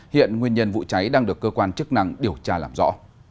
hiện nguyên nhân vụ cháy đang được cơ quan chức năng điều tra làm rõ